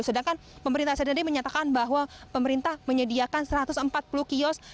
sedangkan pemerintah sendiri menyatakan bahwa pemerintah menyediakan satu ratus empat puluh kios